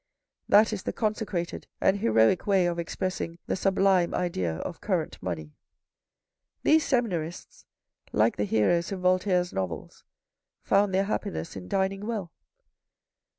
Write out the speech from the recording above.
That is the consecrated and heroic way of expressing the sublime idea of current money. These seminarists, like the heroes in Voltaire's novels, found their happiness in dining well.